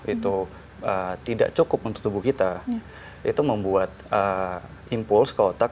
itu tidak cukup untuk tubuh kita itu membuat impuls ke otak